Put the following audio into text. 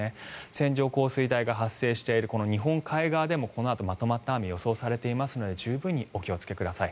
線状降水帯が発生している日本海側でもこのあと、まとまった雨が予想されていますので十分にお気をつけください。